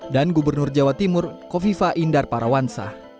dan gubernur jawa timur kofifa indar parawansa